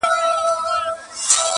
ذخیرې مي کړلې ډیري شین زمری پر جنګېدمه٫